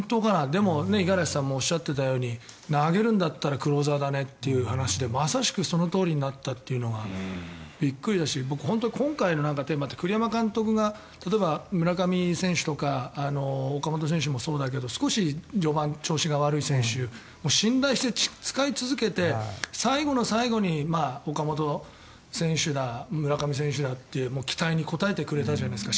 でも、五十嵐さんもおっしゃっていたように投げるんだったらクローザーだねっていう話でまさしくそのとおりになったのがびっくりだした今回のテーマって栗山監督が例えば、村上選手とか岡本選手もそうだけど少し序盤、調子が悪い選手を信頼して使い続けて最後の最後に岡本選手だ村上選手だって期待に応えてくれたじゃないですか。